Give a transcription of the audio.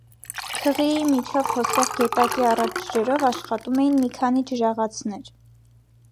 Քղիի միջով հոսող գետակի առատ ջրերով աշխատում էին մի քանի ջրաղացներ։